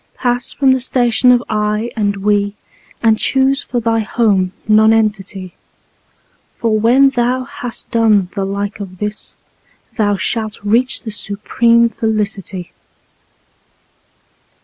Pass from the station of "I" and "We," and choose for thy home Nonentity, For when thou has done the like of this, thou shalt reach the supreme Felicity.